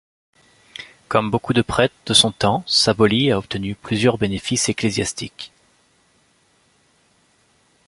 Comme beaucoup de prêtres de son temps, Saboly a obtenu plusieurs bénéfices ecclésiastiques.